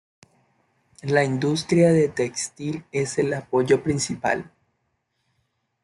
La industria de textil es el apoyo principal.